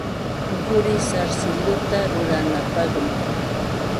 Quri sarsilluta ruranapaqmi.